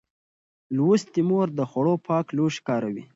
لوستې مور د خوړو پاک لوښي کاروي.